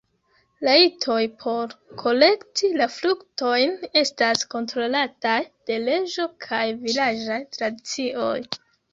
Rajtoj por kolekti la fruktojn estas kontrolataj de leĝo kaj vilaĝaj tradicioj.